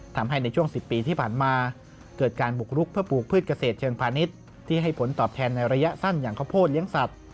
ทำให้ในช่วง๑๐ปีที่ผ่านมาเกิดการบุกรุกเพื่อปลูกพืชเกษตรเชิงพาณิชย์ที่ให้ผลตอบแทนในระยะสั้นอย่างข้าวโพดเลี้ยงสัตว